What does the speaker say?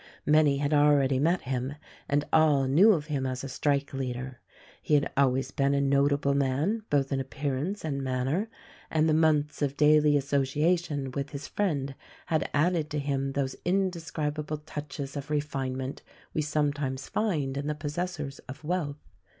Many had already met him, and all knew of him as a strike leader. He had always been a notable man both in appear ance and manner, and the months of daily association with his friend had added to him those indescribable touches of refinement we sometimes find in the possessors of wealth.